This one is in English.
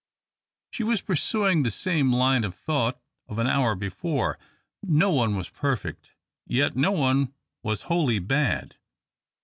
She was pursuing the same line of thought of an hour before. No one was perfect, yet no one was wholly bad.